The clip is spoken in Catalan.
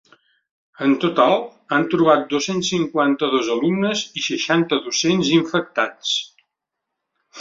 En total, han trobat dos-cents cinquanta-dos alumnes i seixanta docents infectats.